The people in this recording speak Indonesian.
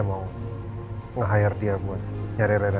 aku mau nge hire dia buat nyari reina